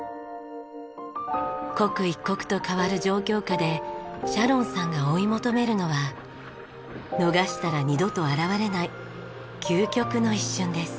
刻一刻と変わる状況下でシャロンさんが追い求めるのは逃したら二度と現れない究極の一瞬です。